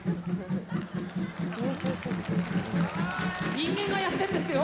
人間がやってんですよ。